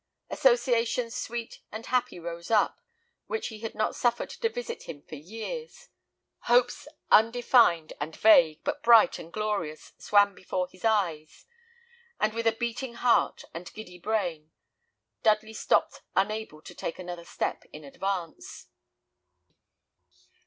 Associations sweet and happy rose up, which he had not suffered to visit him for years. Hopes undefined and vague, but bright and glorious, swam before his eyes, and with a beating heart and giddy brain, Dudley stopped unable to take another step in advance.